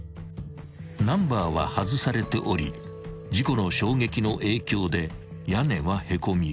［ナンバーは外されており事故の衝撃の影響で屋根はへこみ